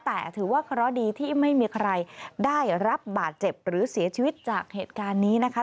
แต่ถือว่าเคราะห์ดีที่ไม่มีใครได้รับบาดเจ็บหรือเสียชีวิตจากเหตุการณ์นี้นะคะ